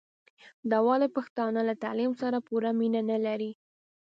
دا ولي پښتانه له تعليم سره پوره مينه نلري